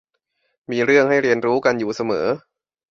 มีเรื่องให้เรียนรู้กันอยู่เสมอ